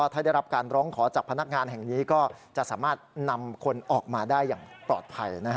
ถ้าได้รับการร้องขอจากพนักงานแห่งนี้ก็จะสามารถนำคนออกมาได้อย่างปลอดภัย